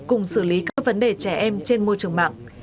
cùng xử lý các vấn đề trẻ em trên môi trường mạng